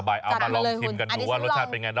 มาลองกันรอชัดเป็นไง